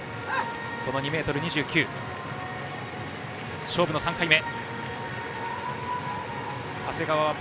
この２ｍ２９、勝負の３回目。